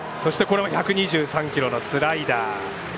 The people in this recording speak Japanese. １２３キロのスライダー。